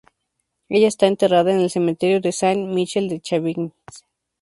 Ella está enterrada en el cementerio de Saint-Michel-de-Chavaignes.